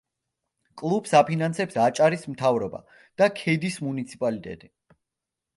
კლუბს აფინანსებს აჭარის მთავრობა და ქედის მუნიციპალიტეტი.